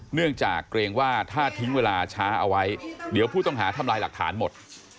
เนื่องจากเกรงว่าถ้าทิ้งเวลาช้าเอาไว้เดี๋ยวผู้ต้องหาทำลายหลักฐานหมด